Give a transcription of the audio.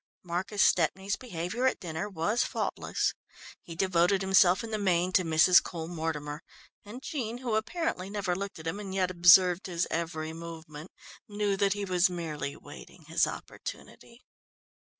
Marcus Stepney's behaviour at dinner was faultless. He devoted himself in the main to Mrs. Cole Mortimer and Jean, who apparently never looked at him and yet observed his every movement, knew that he was merely waiting his opportunity.